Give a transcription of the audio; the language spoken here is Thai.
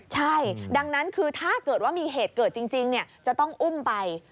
ใช่ดังนั้นคือถ้าเกิดว่ามีเหตุเกิดจริงจะต้องอุ้มไป